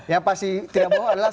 yang pasti tidak mau adalah